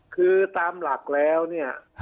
คือตามหลักแล้วเนี่ย